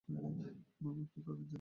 মামা কী করবে জানিস?